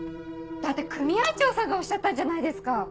だって組合長さんがおっしゃったんじゃないですか。